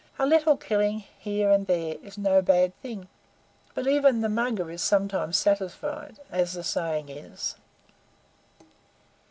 A little killing here and there is no bad thing but even the Mugger is sometimes satisfied, as the saying is."